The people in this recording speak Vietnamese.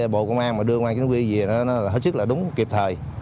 bộ công an đưa công an chính quy về hết sức đúng kịp thời